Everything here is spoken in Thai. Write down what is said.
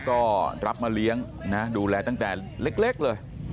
ก็รับมาเลี้ยงนะดูแลตั้งแต่เล็กเลย